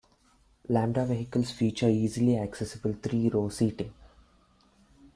Lambda vehicles feature easily accessible three-row seating.